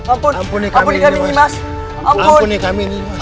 ampuni kami mas